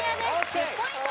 １０ポイント